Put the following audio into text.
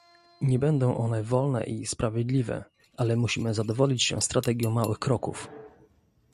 Nie będą one wolne i sprawiedliwe, ale musimy zadowolić się strategią małych kroków